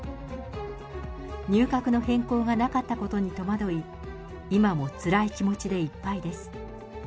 入閣の変更がなかったことに戸惑い、今もつらい気持ちでいっぱいです。